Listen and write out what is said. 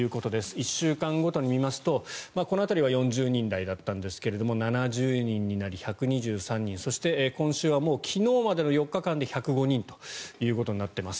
１週間ごとに見ますとこの辺りは４０人台だったんですが７０人になり、１２３人そして今週は昨日までの４日間で１０５人ということになっています。